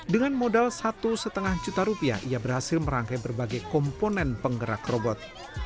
dengan modal satu lima juta rupiah ia berhasil merangkai berbagai komponen penggerak robot